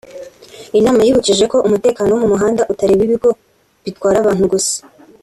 Inama yibukije ko umutekano wo mu muhanda utareba ibigo bitwara abantu gusa